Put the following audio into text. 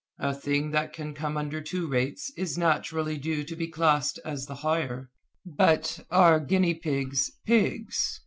A thing that can come under two rates is naturally due to be classed as the higher. But are guinea pigs, pigs?